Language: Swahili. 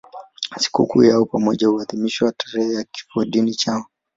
Sikukuu yao ya pamoja huadhimishwa tarehe ya kifodini chao.